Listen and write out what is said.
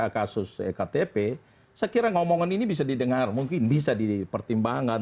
kasus ektp saya kira ngomongan ini bisa didengar mungkin bisa dipertimbangkan